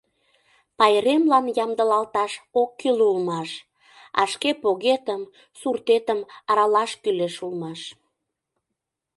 Пайремлан ямдылалташ ок кӱл улмаш, а шке погетым, суртетым аралаш кӱлеш улмаш.